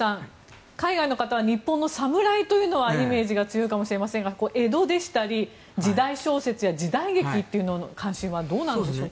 デーブさん、海外の方は日本の侍というイメージが強いかもしれませんが江戸でしたり時代小説や時代劇というのはどうでしょうか。